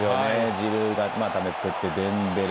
ジルーが作ってデンベレ。